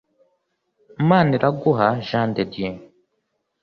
Maniraguha Jean de Dieu